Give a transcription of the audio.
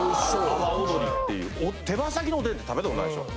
阿波尾鶏っていう手羽先のおでんって食べたことないでしょ？